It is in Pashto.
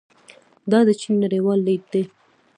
دا د چین نړیوال لید دی.